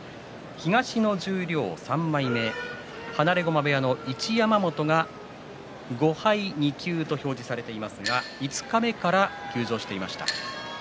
東の十両３枚目放駒部屋の一山本は５敗２休と表示されていますが五日目から休場していました。